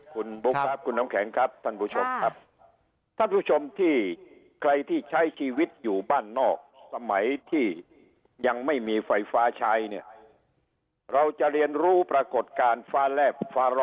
คุณบุ๊คครับคุณน้ำแข็งครับท่านผู้ชมครับค่ะ